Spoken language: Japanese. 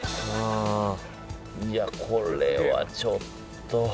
うーんいやこれはちょっと。